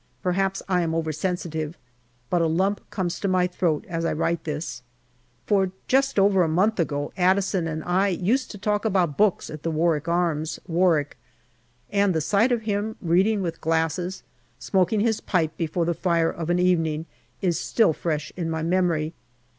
Perhaps I am over sensitive, but a lump comes to my throat as I write this, for just over a month ago Addison and I used to talk about books at the "Warwick Arms," Warwick, and the sight of him reading with glasses, smoking his pipe before the fire of an evening, is still fresh in my memory.